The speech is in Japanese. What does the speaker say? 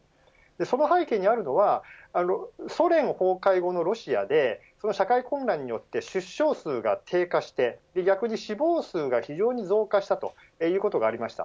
その背景にあるのはソ連崩壊後のロシアで社会混乱によって出生数が低下して逆に死亡数が非常に増加したということがありました。